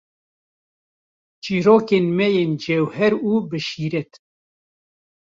Çîrokên me yê cewher û bi şîret.